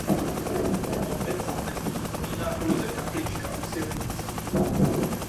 Obec dnes připomíná pouze kaplička u silnice.